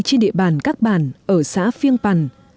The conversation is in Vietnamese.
trên địa bàn các bản ở xã phiêng bản